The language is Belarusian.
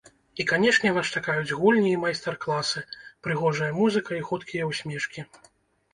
І канешне вас чакаюць гульні і майстар-классы, прыгожая музыка і хуткія усмешкі!